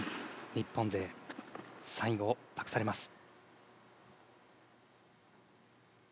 日本勢最後を託されます。